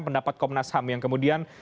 pendapat komnas ham yang kemudian